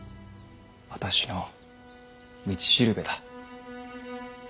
私の道しるべだ。